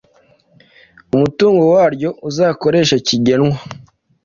umutungo waryo uzakoreshwa kigenwa